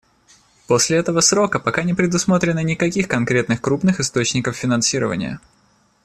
После этого срока пока не предусмотрено никаких конкретных крупных источников финансирования.